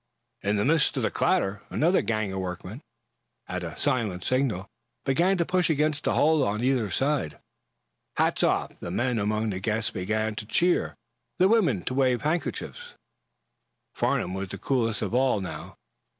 In the midst of the clatter another gang of workmen, at a silent signal, began to push against the hull on either side. Hats off, the men among the guests began to cheer, the women to wave handkerchiefs. Farnum was the coolest of all, now.